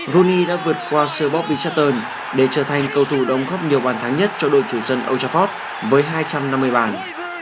rooney đã vượt qua sir bobby chattern để trở thành cầu thủ đồng góp nhiều bàn thắng nhất cho đội chủ dân old trafford với hai trăm năm mươi bàn